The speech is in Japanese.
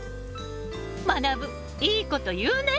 まなぶいいこと言うね！